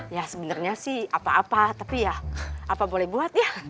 ya sebenarnya sih apa apa tapi ya apa boleh buat ya